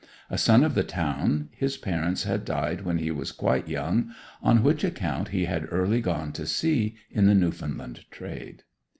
A son of the town, his parents had died when he was quite young, on which account he had early gone to sea, in the Newfoundland trade.